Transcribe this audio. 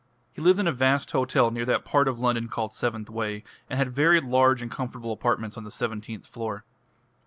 He lived in a vast hotel near that part of London called Seventh Way, and had very large and comfortable apartments on the seventeenth floor.